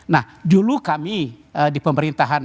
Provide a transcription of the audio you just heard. nah dulu kami di pemerintahan